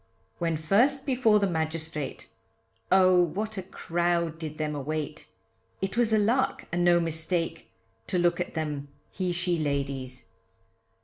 When first before the magistrate, Oh, what a crowd did them await, It was a lark and no mistake, To look at them he she ladies.